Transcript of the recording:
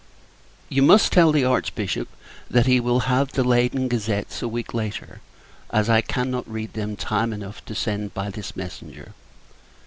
You must tell the Archbishop, that he will have the Leyden gazettes a week later; as I cannot read them time enough to send by this messenger.